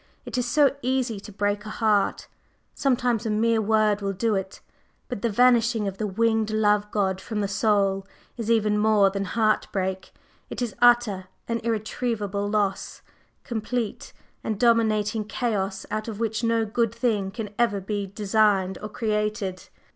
It is so easy to break a heart; sometimes a mere word will do it. But the vanishing of the winged Love god from the soul is even more than heart break, it is utter and irretrievable loss, complete and dominating chaos out of which no good thing can ever be designed or created.